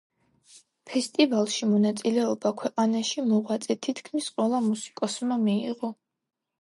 ფესტივალში მონაწილეობა ქვეყანაში მოღვაწე თითქმის ყველა მუსიკოსმა მიიღო.